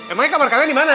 emangnya kamar kalian dimana